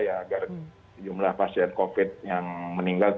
agar jumlah pasien covid yang meninggal